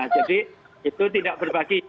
jadi itu tidak berbagi